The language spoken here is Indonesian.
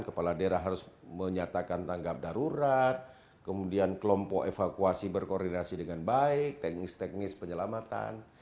kepala daerah harus menyatakan tanggap darurat kemudian kelompok evakuasi berkoordinasi dengan baik teknis teknis penyelamatan